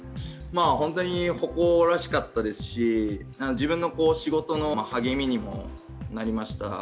本当に誇らしかったですし自分の仕事の励みにもなりました。